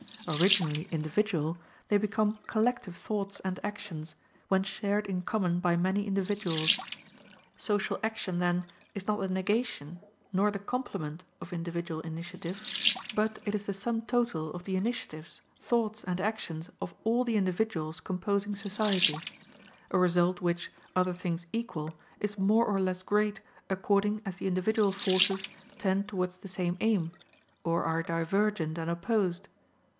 Originally individual, they become collective thoughts and actions, when shared in common by many individuals. Social action, then, is not the negation, nor the complement of individual initiative, but it is the sum total of the initiatives, thoughts and actions of all the individuals composing society: a result which, other things equal, is more or less great according as the individual forces tend toward the same aim, or are divergent and opposed.